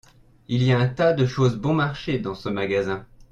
il y a un tas de choses bon-marché dans ce magasin.